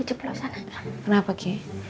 keceplok sana kenapa ki